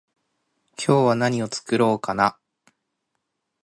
今日は何を作ろうかな？